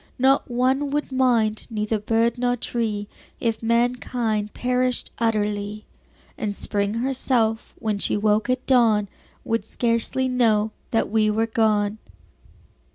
Not one would mind, neither bird nor tree If mankind perished utterly; And Spring herself, when she woke at dawn, Would scarcely know that we were gone.